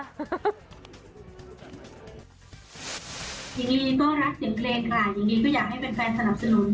หญิงลีก็อยากให้เป็นแฟนสนับสนุน